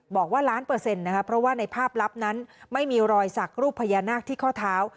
บอกว่าล้านเปอร์เซ็นต์นะคะเพราะว่าในภาพลับนั้นไม่มีรอยสักรูปพญานาคที่ข้อเท้า